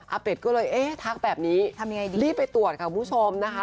อาเบชก็เลยทักแบบนี้รีบไปตรวจค่ะผู้ชมนะคะ